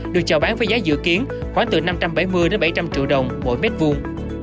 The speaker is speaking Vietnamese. được chào bán với giá dự kiến khoảng từ năm trăm bảy mươi đến bảy trăm linh triệu đồng mỗi mét vuông